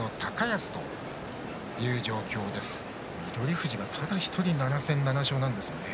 富士がただ１人７戦７勝なんですね。